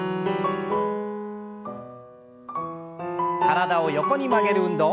体を横に曲げる運動。